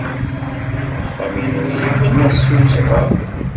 Axxam-inu yebna s usɣar.